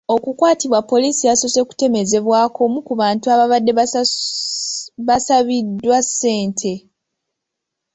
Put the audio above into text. Okukwatibwa poliisi yasoose kutemezebwako omu ku bantu ababadde basabiddwa ssente.